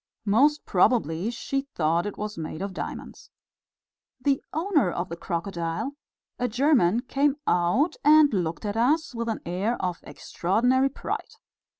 Most probably she thought it was made of diamonds. The owner of the crocodile, a German, came out and looked at us with an air of extraordinary pride.